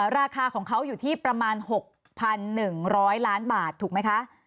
ราคาของเขาอยู่ที่ประมาณ๖๑๐๐ล้านบาทถูกไหมคะ